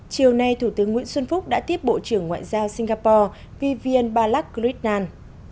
chiều nay thủ tướng nguyễn xuân phúc đã tiếp bộ trưởng ngoại giao singapore vivian wilson